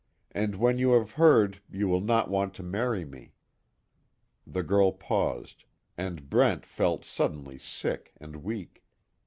And when you have heard you will not want to marry me." The girl paused, and Brent felt suddenly sick and weak.